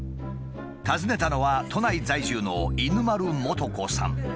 訪ねたのは都内在住の犬丸寛子さん。